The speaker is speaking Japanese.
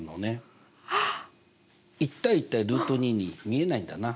１：１：ルート２に見えないんだな。